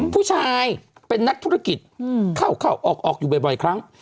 ผู้ชายเป็นนักธุรกิจเข้าเข้าออกออกอยู่บ่อยบ่อยครั้ง